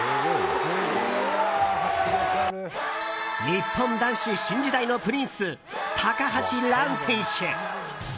日本男子、新時代のプリンス高橋藍選手。